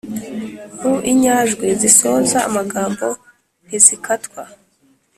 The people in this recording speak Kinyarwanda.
- u inyajwi zisoza amagambo ntizikatwa.